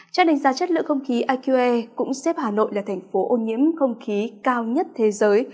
trang đánh giá chất lượng không khí iqe cũng xếp hà nội là thành phố ô nhiễm không khí cao nhất thế giới